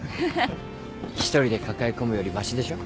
１人で抱え込むよりましでしょ？